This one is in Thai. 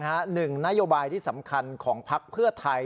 หนึ่งนโยบายที่สำคัญของพักเพื่อไทย